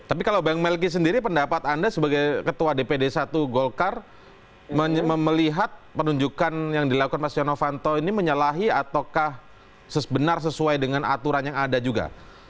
tapi kalau bang melki sendiri pendapat anda sebagai ketua dpd satu golkar melihat penunjukan yang dilakukan pak syah novanto ini menyalahi ataukah benar sesuai dengan aturan yang ada juga